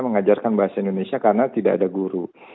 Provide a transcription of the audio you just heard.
mengajarkan bahasa indonesia karena tidak ada guru